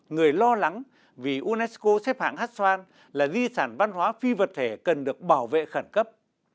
người lo lắng vì unesco xếp hãng hét xoan là di sản văn hóa phi vật thể cần được bảo vệ khẩn cấp